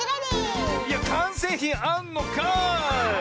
いやかんせいひんあんのかい！